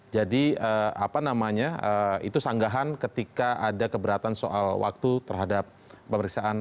jadi apa namanya itu sanggahan ketika ada keberatan soal waktu terhadap pemeriksaan